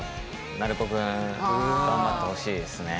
鳴子くん頑張ってほしいですね。